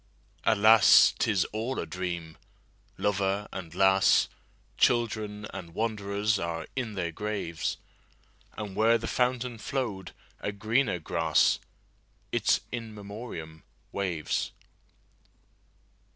Alas! 't is all a dream. Lover and lass, Children and wanderers, are in their graves; And where the fountain flow'd a greener grass—Its In Memoriam—waves.